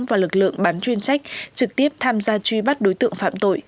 và lực lượng bán chuyên trách trực tiếp tham gia truy bắt đối tượng phạm tội